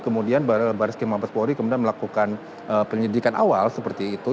kemudian baraiskrim mabespori kemudian melakukan penyidikan awal seperti itu